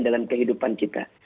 dalam kehidupan kita